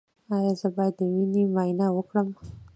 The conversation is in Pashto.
ایا زه باید د وینې معاینه وکړم؟